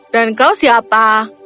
dan kau siapa